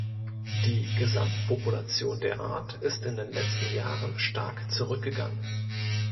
Die Gesamtpopulation der Art ist in den letzten Jahren stark zurückgegangen.